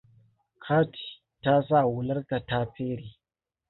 Cathy ta sa hularta ta fere.